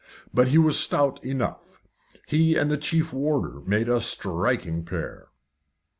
But he was stout enough. He and the chief warder made a striking pair.